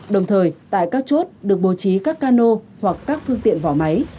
đồng thời tại các chốt được bố trí các cano hoặc các phương tiện vỏ máy